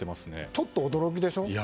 ちょっと驚きでしょう？